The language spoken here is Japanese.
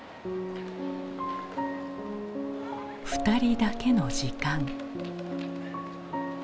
２人だけの時間。